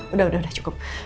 udah udah udah cukup